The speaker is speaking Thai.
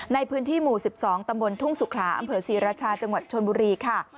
ในพื้นที่หมู่๑๒ตำบลทุ่งสุขลาอำเภอศรีราชาจังหวัดชนบุรีค่ะ